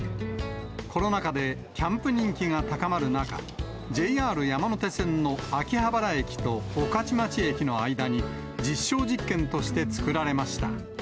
コロナ禍でキャンプ人気が高まる中、ＪＲ山手線の秋葉原駅と御徒町駅の間に、実証実験として作られました。